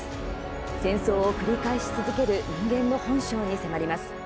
戦争を繰り返し続ける人間の本性に迫ります。